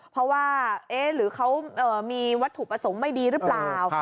เพราะว่าหรือเขามีวัตถุประสงค์ไม่ดีหรือเปล่า